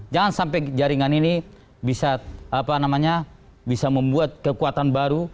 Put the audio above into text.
jangan sampai jaringan ini bisa membuat kekuatan baru